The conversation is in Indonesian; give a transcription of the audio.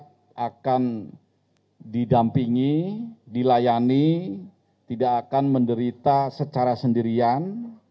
kita akan didampingi dilayani tidak akan menderita secara sendirian